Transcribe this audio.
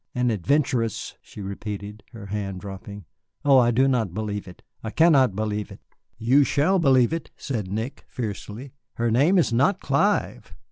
"An adventuress!" she repeated, her hand dropping, "oh, I do not believe it. I cannot believe it." "You shall believe it," said Nick, fiercely. "Her name is not Clive.